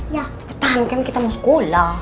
cepetan kan kita mau sekolah